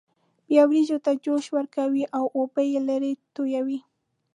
بیا وریجو ته جوش ورکوي او اوبه یې لرې تویوي.